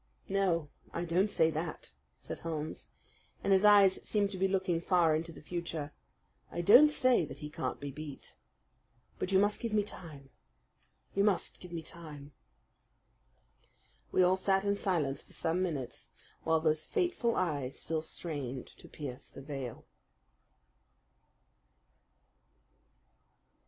"No, I don't say that," said Holmes, and his eyes seemed to be looking far into the future. "I don't say that he can't be beat. But you must give me time you must give me time!" We all sat in silence for some minutes while those fateful eyes still strained to pierce the veil.